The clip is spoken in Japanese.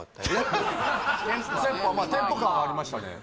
テンポ感はありましたね